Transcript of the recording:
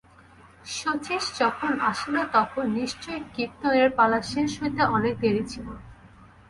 শচীশ যখন আসিল তখনো নিশ্চয়ই কীর্তনের পালা শেষ হইতে অনেক দেরি ছিল।